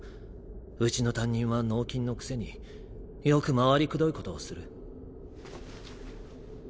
うちの担任は脳筋のくせによく回りくどいことをする。